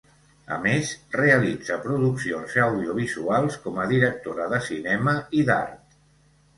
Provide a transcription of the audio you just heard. A més, realitza produccions audiovisuals, com a directora de cinema i d'art.